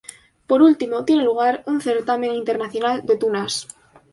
Por último tiene lugar un Certamen Internacional de Tunas.